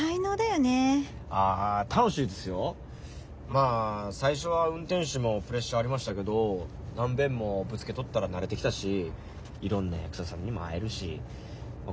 まあ最初は運転手もプレッシャーありましたけど何べんもぶつけとったら慣れてきたしいろんな役者さんにも会えるしま